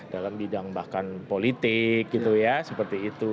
dalam bidang bahkan politik gitu ya seperti itu